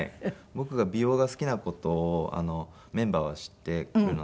僕が美容が好きな事をメンバーは知っているので。